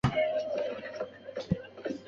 沙田广场商场设于一楼。